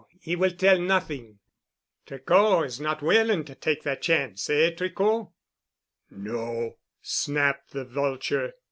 He will tell nothing——" "Tricot is not willing to take that chance. Eh, Tricot?" "No," snapped the vulture.